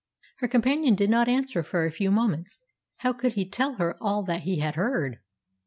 Her companion did not answer for a few moments. How could he tell her all that he had heard?